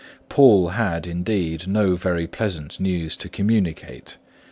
Poole had, indeed, no very pleasant news to communicate.